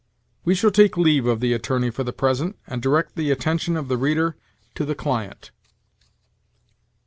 We shall take leave of the attorney for the present, and direct the attention of the reader to the client.